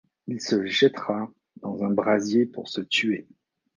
Il se jettera dans un brasier pour se tuer.